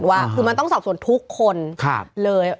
ว่าคือมันต้องสอบส่วนทุกคนเลย